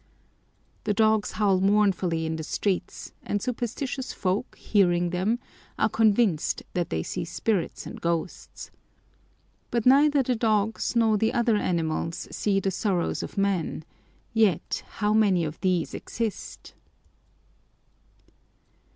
The dogs howl mournfully in the streets and superstitious folk, hearing them, are convinced that they see spirits and ghosts. But neither the dogs nor the other animals see the sorrows of men yet how many of these exist!